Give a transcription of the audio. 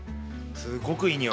すっごくいい匂い。